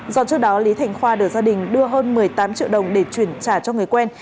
do trước đó lý thành khoa được gia đình đưa hơn một mươi tám triệu đồng để chuyển trả cho người quen